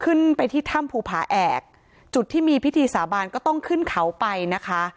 ขึ้นไปที่ถ้ำภูผาแอกจุดที่มีพิธีสาบานก็ต้องขึ้นเขาไปนะคะ